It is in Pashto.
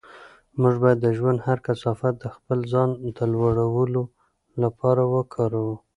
موږ باید د ژوند هر کثافت د خپل ځان د لوړولو لپاره وکاروو.